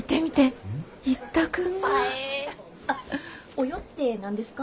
「およ」って何ですか？